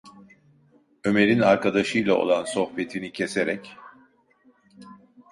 Ömer’in, arkadaşıyla olan sohbetini keserek: